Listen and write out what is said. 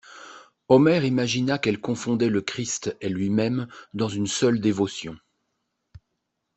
Omer imagina qu'elle confondait le Christ et lui-même dans une seule dévotion.